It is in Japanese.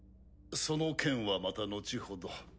その件はまた後ほど。